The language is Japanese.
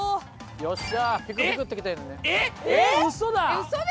よっしゃ！